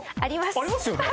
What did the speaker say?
ありますよね。